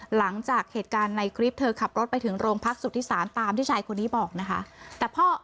หลังจากเหตุการณ์ในคลิปเธอขับรถไปถึงโรงพักสุธิศาลตามที่ชายคนนี้บอกนะคะ